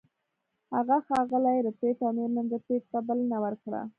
هغه ښاغلي ربیټ او میرمن ربیټ ته بلنه ورکړه